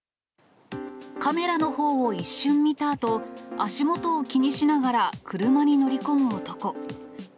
カメラのほうを一瞬見たあと、足元を気にしながら車に乗り込む男。